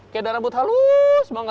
kayak ada rambut halus